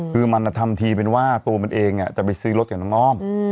คือมันทำทีเป็นว่าตัวมันเองจะไปซื้อรถกับน้องอ้อม